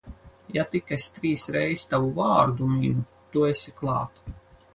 Ja tik es trīs reiz tavu vārdu minu, tu esi klāt.